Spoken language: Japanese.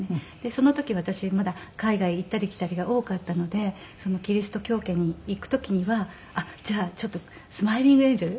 その時私まだ海外行ったり来たりが多かったのでキリスト教圏に行く時にはじゃあちょっとスマイリングエンジェル。